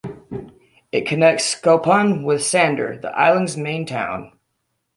It connects Skopun with Sandur, the island's main town.